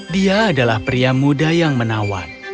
dia adalah pria muda yang menawan